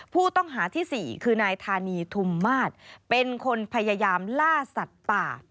ผู้ต้องหาที่๔คือนายธานีทุมมาศเป็นคนพยายามล่าสัตว์ป่า